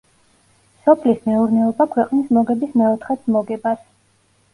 სოფლის მეურნეობა ქვეყნის მოგების მეოთხედს მოგებას.